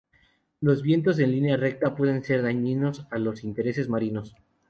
Los vientos en línea recta pueden ser dañinos a los intereses marinos.